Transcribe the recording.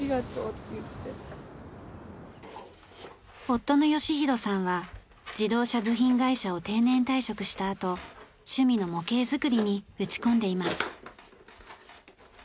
夫の吉宏さんは自動車部品会社を定年退職したあと趣味の模型作りに打ち込んでいます。